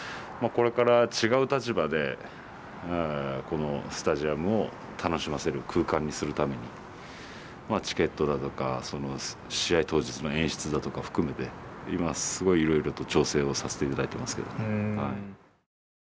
これから違う立場でこのスタジアムを楽しませる空間にするためにまあチケットだとか試合当日の演出だとか含めて今すごいいろいろと調整をさせていただいてますけど。